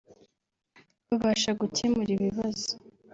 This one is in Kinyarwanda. babasha gukemura ibibazo